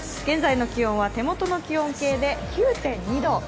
現在の気温は、手元の気温計で９．２度。